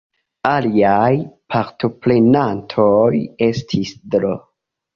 Aliaj partoprenantoj estis Dro.